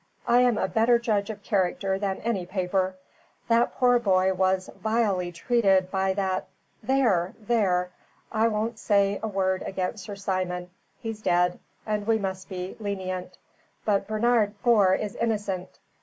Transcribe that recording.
I am a better judge of character than any paper. That poor boy was vilely treated by that there! there! I won't say a word against Sir Simon. He's dead, and we must be lenient. But Bernard Gore is innocent.